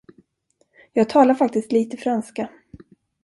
Jag talar faktiskt lite franska.